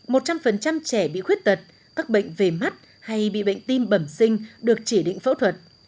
một trăm linh trẻ bị khuyết tật các bệnh về mắt hay bị bệnh tim bẩm sinh được chỉ định phẫu thuật